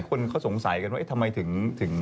คนเขาสงสัยกันว่าทำไมถึง